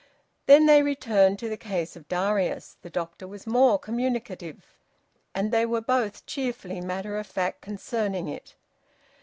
Then they returned to the case of Darius. The doctor was more communicative, and they were both cheerfully matter of fact concerning it.